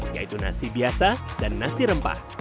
yaitu nasi biasa dan nasi rempah